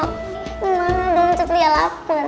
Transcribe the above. ini mana dong cetia lapar